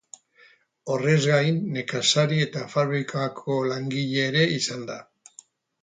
Horrez gain nekazari eta fabrikako langile ere izan da.